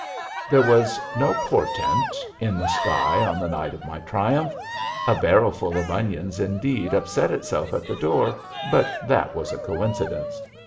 *' There was no portent in the sky on the night of my triumph. A barrowful of onions, indeed, upset itself at the door, but that was a coincidence.